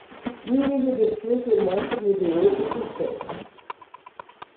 mínimo de cinco e máximo de oito por cento